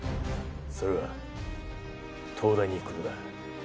それは東大に行くことだ。